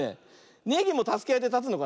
ネギもたすけあいでたつのかな。